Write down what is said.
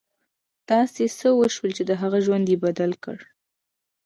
داسې څه وشول چې د هغه ژوند یې بدل کړ